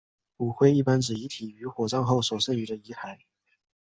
骨灰一般指遗体于火葬后所剩余的遗骸。